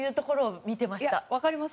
わかります。